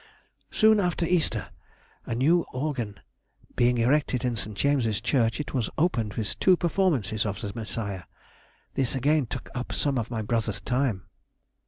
Soon after Easter a new organ being erected in St. James's Church, it was opened with two performances of the 'Messiah;' this again took up some of my brother's time....